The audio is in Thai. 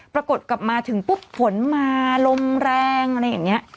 ปรากฏกลับมาถึงปุ๊บฝนมาลมแรงเหน่งนี้